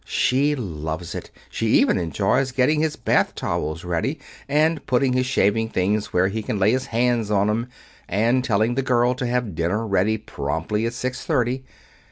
She loves it. She even enjoys getting his bath towels ready, and putting his shaving things where he can lay his hands on 'em, and telling the girl to have dinner ready promptly at six thirty.